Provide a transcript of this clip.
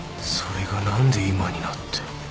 それが何で今になって。